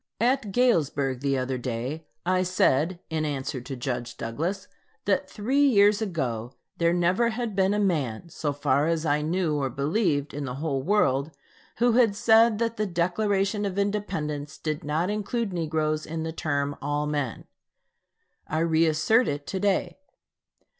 At Galesburg the other day, I said, in answer to Judge Douglas, that three years ago there never had been a man, so far as I knew or believed, in the whole world, who had said that the Declaration of Independence did not include negroes in the term "all men." I re assert it to day.